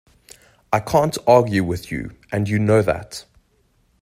I can't argue with you, and you know that.